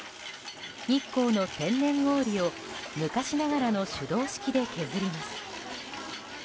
日光の天然氷を昔ながらの手動式で削ります。